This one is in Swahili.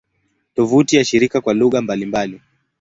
Tovuti ya shirika kwa lugha mbalimbali